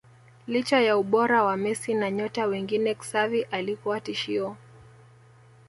Licha ya ubora wa Messi na nyota wengine Xavi alikuwa tishio